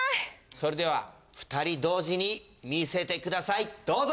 それでは２人同時に見せてくださいどうぞ。